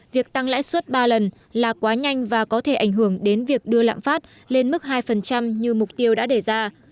việc tăng lãi suất ba lần là quá nhanh và có thể ảnh hưởng đến việc đưa lạm phát lên mức hai như mục tiêu đã đề ra